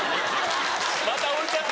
また置いちゃった。